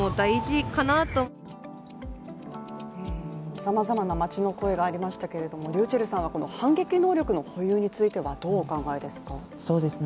さまざまな街の声がありましたけれども、ｒｙｕｃｈｅｌｌさんはこの反撃能力の保有についてはどうお考えですか？